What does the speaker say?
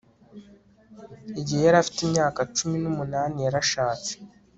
Igihe yari afite imyaka cumi numunani yarashatse